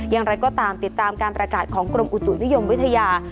อย่างไรก็ตามติดตามการประกาศของกรมอุตุนิยมวิทยา